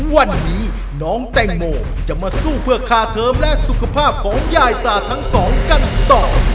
วันนี้น้องแตงโมจะมาสู้เพื่อคาเทอมและสุขภาพของยายตาทั้งสองกันต่อ